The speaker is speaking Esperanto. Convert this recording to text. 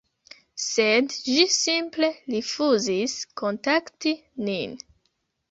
sed ĝi simple rifuzis kontakti nin.